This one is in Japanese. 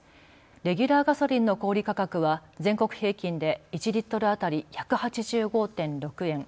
レギュラーガソリンの小売価格は全国平均で１リットル当たり１８５．６円。